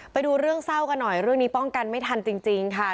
ไปดูเรื่องเศร้ากันหน่อยเรื่องนี้ป้องกันไม่ทันจริงค่ะ